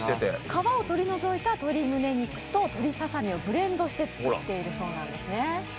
皮を取り除いた鶏むね肉と鶏ささみをブレンドして作っているそうです。